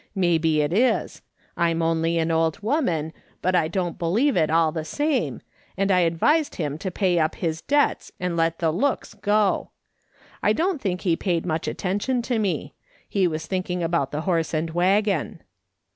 Maybe it is ; I'm only an old woman, but I don't believe it all the same, and I advised him to pay up his debts and let the looks go. I don't think he paid much attention to me ; he was thinking about the horse and waggon.